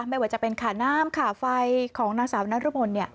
ไม่ว่าจะเป็นขาน้ำขาไฟของนางสาวนรมน